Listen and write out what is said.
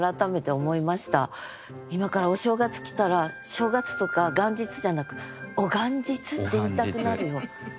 今からお正月来たら正月とか元日じゃなく「お元日」って言いたくなるよ。